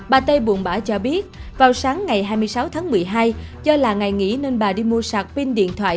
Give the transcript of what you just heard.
bà tây buồn bã cho biết vào sáng ngày hai mươi sáu tháng một mươi hai do là ngày nghỉ nên bà đi mua sạc pin điện thoại